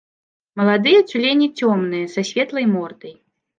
Маладыя цюлені цёмныя, са светлай мордай.